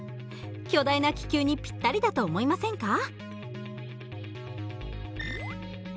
巨大な気球にぴったりだと思いませんか？